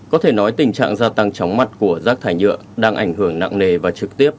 có thể nói tình trạng gia tăng chóng mặt của rác thải nhựa đang ảnh hưởng nặng nề và trực tiếp